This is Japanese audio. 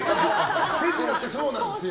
手品ってそうなんですよ。